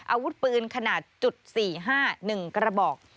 อาวุธปืนขนาดจุด๔๕๑กระบอก